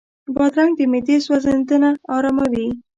بادرنګ د معدې سوځېدنه آراموي.